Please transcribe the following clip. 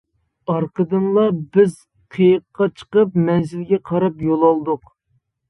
ئارقىدىنلا بىز قېيىققا چىقىپ مەنزىلگە قاراپ يول ئالدۇق.